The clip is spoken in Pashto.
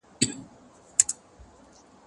زه به موسيقي اورېدلې وي،